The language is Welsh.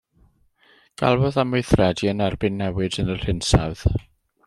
Galwodd am weithredu yn erbyn newid yn yr hinsawdd.